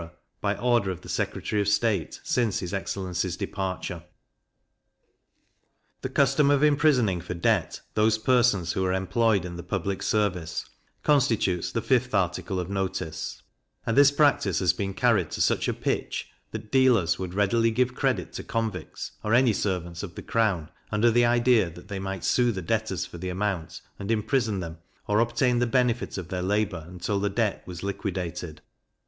by order of the Secretary of State, since his excellency's departure. The custom of imprisoning for debt those persons who are employed in the public service, constitutes the 5th article of notice; and this practice had been carried to such a pitch, that dealers would readily give credit to convicts, or any servants of the crown, under the idea that they might sue the debtors for the amount, and imprison them, or obtain the benefit of their labour until the debt was liquidated.